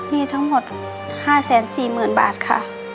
มีทั้งหมด๕๔๐๐๐บาทค่ะ